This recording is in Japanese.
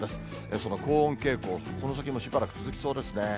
その高温傾向、この先もしばらく続きそうですね。